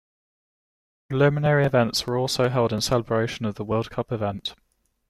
Preliminary events were also held in celebration of the World Cup event.